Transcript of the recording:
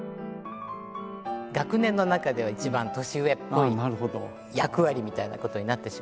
学年の中では一番年上っぽい役割みたいなことになってしまいまして。